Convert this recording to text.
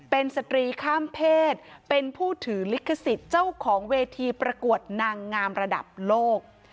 เป็นสตรีข้ามเพศเป็นผู้ถือลิขสิทธิ์เจ้าของเวทีประกวดนางงามระดับโลก